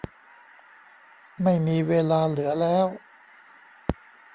ไม่มีเวลาเหลือแล้ว